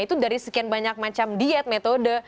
itu dari sekian banyak macam diet metode